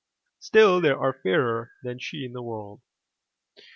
Still there are fairer than she in the world.